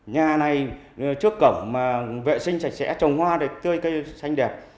nhà này trước cổng mà vệ sinh sạch sẽ trồng hoa này tươi cây xanh đẹp